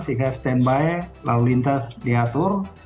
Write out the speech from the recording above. sehingga standby lalu lintas diatur